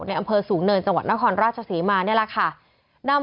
อำเภอสูงเนินจังหวัดนครราชศรีมานี่แหละค่ะ